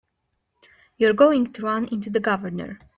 You're going to run into the Governor.